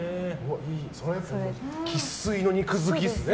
生粋の肉好きっすね。